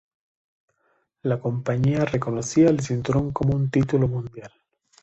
La compañía reconocía al cinturón como un título mundial.